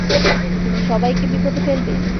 তুমি সবাইকে বিপদে ফেলবে।